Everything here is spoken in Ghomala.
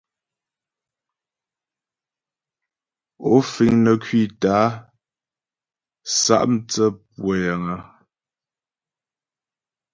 Ó fíŋ nə́ ŋkwítə́ a sá' mtsə́ pʉə́ yəŋ ?